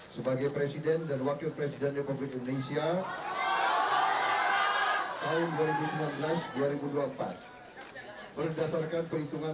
sebagai presiden dan wakil presiden republik indonesia tahun dua ribu sembilan belas dua ribu dua puluh empat berdasarkan perhitungan